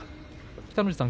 北の富士さん